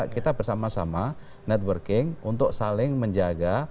kita bersama sama networking untuk saling menjaga